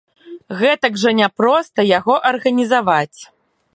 Гэтак жа не проста яго арганізаваць.